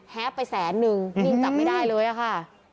ไปแสนนึงยิ่งจับไม่ได้เลยอะค่ะ